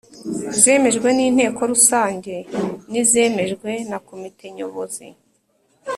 zemejwe n’Inteko Rusange n’izemejwe na Komite Nyobozi.